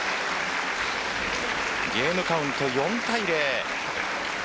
ゲームカウント４対０。